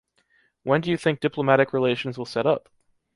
When do you think diplomatic relations will set up?